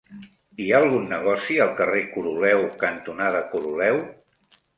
Hi ha algun negoci al carrer Coroleu cantonada Coroleu?